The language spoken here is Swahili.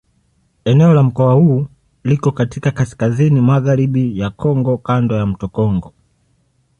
Eneo la mkoa huu liko katika kaskazini-magharibi ya Kongo kando ya mto Kongo.